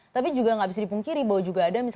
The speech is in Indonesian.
tapi juga nggak bisa dipungkiri bahwa juga ada